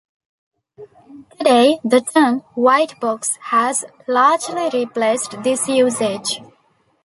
Today the term "white box" has largely replaced this usage.